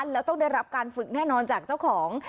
แล้วต้องได้รับการฝึกแน่นอนจากเจ้าของ